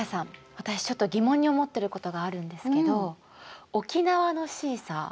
私ちょっと疑問に思ってることがあるんですけど沖縄のシーサー